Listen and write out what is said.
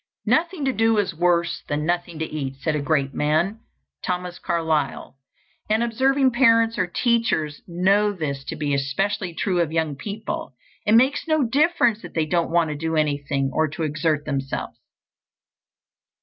"Nothing to do is worse than nothing to eat," said a great man, Thomas Carlyle; and observing parents or teachers know this to be especially true of young people. It makes no difference that they don't want to do anything or to exert themselves.